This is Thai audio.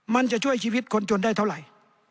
มันจะช่วยชีวิตคนจนได้เท่าไหร่